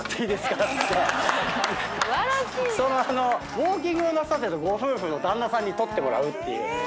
ウオーキングをなさってたご夫婦の旦那さんに撮ってもらうっていう。